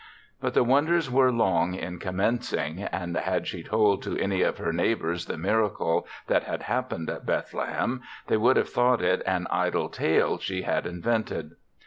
But the wonders were long in commencing, and had she told to any of her neighbors the miracle that had happened at Bethle hem, they would have thought it an idle tale she had invented.